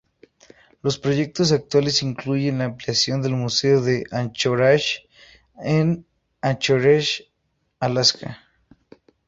Los proyectos actuales incluyen la ampliación del Museo de Anchorage en Anchorage, Alaska.